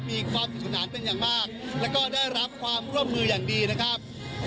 มีความสุขสนานเป็นอย่างมากแล้วก็ได้รับความร่วมมืออย่างดีนะครับ